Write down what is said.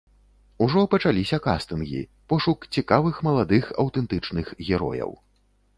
Ужо пачаліся кастынгі, пошук цікавых маладых аўтэнтычных герояў.